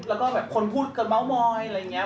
แล้วก็แบบคนพูดกันเม้ามอยอะไรอย่างนี้